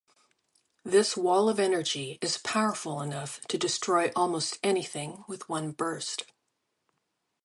This wall of energy is powerful enough to destroy almost anything with one burst.